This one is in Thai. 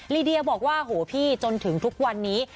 ลีเดียบอกว่าโหพี่จนถึงทุกวันนี้